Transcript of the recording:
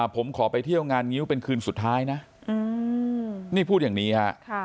ผมขอไปเที่ยวงานงิ้วเป็นคืนสุดท้ายนะนี่พูดอย่างนี้ฮะ